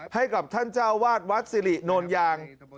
ให้กับท่านเจ้าวาดวัดสิริโนนยาง